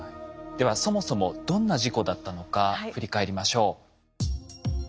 ではそもそもどんな事故だったのか振り返りましょう。